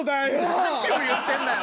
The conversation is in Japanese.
何を言ってんだよ！